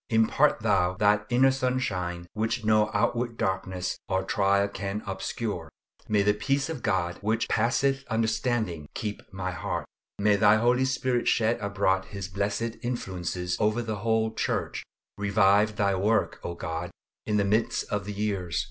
Impart Thou that inner sunshine which no outward darkness or trial can obscure. May the peace of God, which passeth understanding, keep my heart. May Thy Holy Spirit shed abroad His blessed influences over the whole Church. Revive Thy work, O God, in the midst of the years.